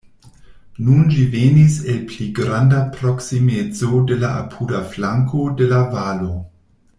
Nun ĝi venis el pli granda proksimeco de la apuda flanko de la valo.